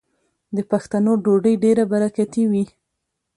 د پښتنو ډوډۍ ډیره برکتي وي.